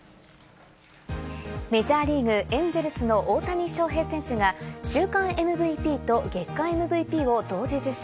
メジャーリーグ・エンゼルスの大谷翔平選手が週間ＭＶＰと月間ＭＶＰを同時受賞。